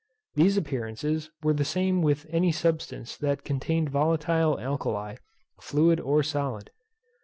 These appearances were the same with any substance that contained volatile alkali, fluid or solid.